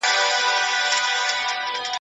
دا کار به نورو خلکو ته هم کار پیدا کړي.